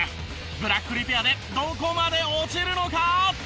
ブラックリペアでどこまで落ちるのか？